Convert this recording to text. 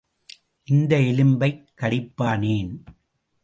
இந்த எலும்பைக் கடிப்பானேன்?